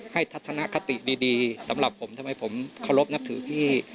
ทำให้สำหรับผมทัฒนคติดีทำให้ผมคลอบหนักถือพี่